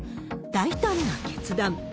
大胆な決断。